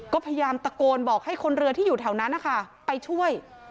ก็พยายามตะโกนบอกให้คนเรือที่อยู่แถวนั้นนะคะไปช่วย